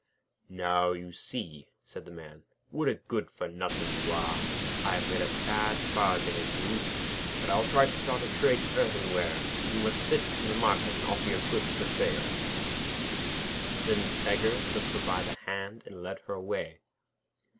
'Now you see,' said the Man, 'what a good for nothing you are. I have made a bad bargain in you. But I will try to start a trade in earthenware. You must sit in the market and offer your goods for sale.' [Illustration: {The Beggar took her by the hand and led her away.